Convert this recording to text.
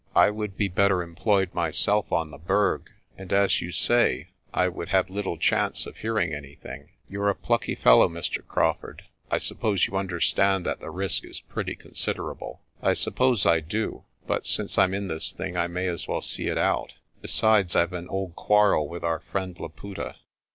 I would be better em ployed myself on the Berg, and, as you say, I would have little chance of hearing anything. You're a plucky fellow, Mr. Crawfurd. I suppose you understand that the risk is pretty considerable." ARCOLL TELLS A TALE 105 "I suppose I do; but since Pm in this thing, I may as well see it out. Besides, Pve an old quarrel with our friend Laputa."